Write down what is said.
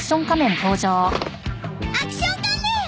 アクション仮面！